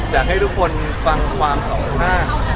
อยากให้ทุกคนฟังความสองข้าง